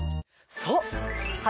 そう！